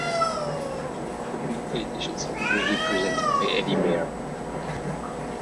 The weekday editions are usually presented by Eddie Mair.